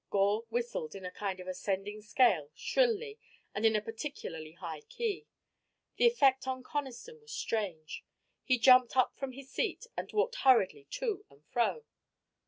Gore whistled in a kind of ascending scale shrilly and in a particularly high key. The effect on Conniston was strange. He jumped up from his seat and walked hurriedly to and fro.